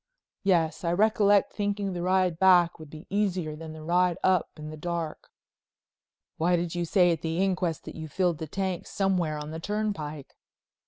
"Yes. I recollect thinking the ride back would be easier than the ride up in the dark." "Why did you say at the inquest that you filled the tank somewhere on the turnpike?"